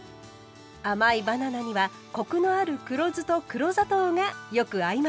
甘いバナナにはコクのある黒酢と黒砂糖がよく合います。